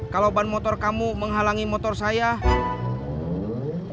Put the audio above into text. kalau ban motor kamu menghalangi motor saya